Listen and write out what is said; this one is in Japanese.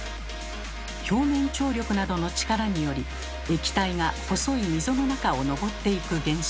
表面張力などの力により液体が細い溝の中を上っていく現象。